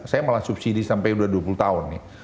saya malah subsidi sampai udah dua puluh tahun nih